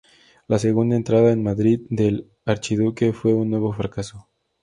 La segunda entrada en Madrid del Archiduque fue un nuevo fracaso.